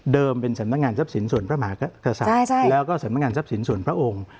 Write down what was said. เป็นสำนักงานทรัพย์สินส่วนพระมหากษัตริย์แล้วก็สำนักงานทรัพย์สินส่วนพระองค์